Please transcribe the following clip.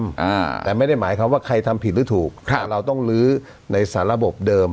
อ่าแต่ไม่ได้หมายความว่าใครทำผิดหรือถูกค่ะเราต้องลื้อในสาระบบเดิม